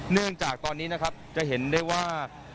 เนื่องจากตอนนี้นะครับจะเห็นได้ว่า